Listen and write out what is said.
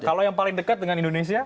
kalau yang paling dekat dengan indonesia